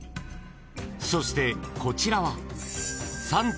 ［そしてこちらは］